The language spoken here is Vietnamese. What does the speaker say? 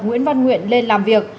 nguyễn văn nguyễn lên làm việc